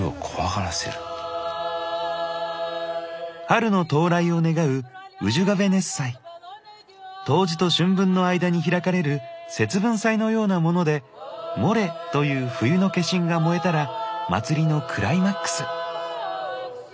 春の到来を願う冬至と春分の間に開かれる節分祭のようなもので「モレ」という冬の化身が燃えたら祭りのクライマックス。